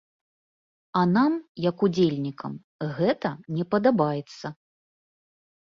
А нам, як удзельнікам, гэта не падабаецца.